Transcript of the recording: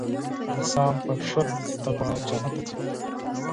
انسان په ښه تقوا جنت ته ځي .